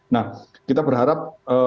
nah kita berharap